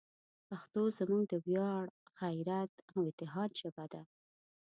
پښتو زموږ د ویاړ، غیرت، او اتحاد ژبه ده.